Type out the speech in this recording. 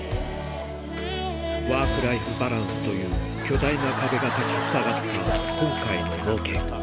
ワークライフバランスという巨大な壁が立ちふさがった、今回のロケ。